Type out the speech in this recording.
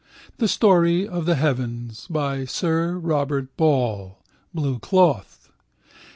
The Story of the Heavens by Sir Robert Ball (blue cloth).